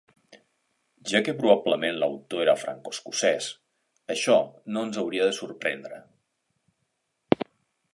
Ja que probablement l'autor era franco-escocès, això no ens hauria de sorprendre.